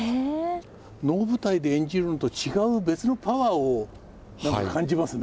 能舞台で演じるのと違う別のパワーを何か感じますね。